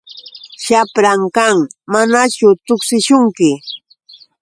Shapran kan. ¿Manachu tuksishunki?